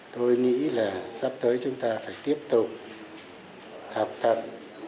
tôi nghĩ là sắp tới chúng ta phải tiếp tục học tập